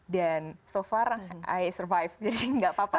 dan so far i survive jadi nggak apa apa